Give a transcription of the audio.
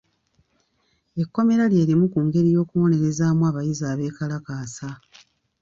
Ekkomera lye limu ku ngeri y'okubonerezaamu abayizi abeekalakaasa.